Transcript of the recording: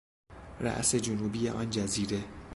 راس جنوبی آن جزیره